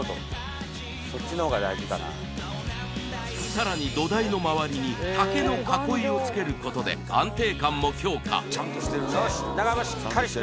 さらに土台のまわりに竹の囲いをつけることで安定感も強化よーし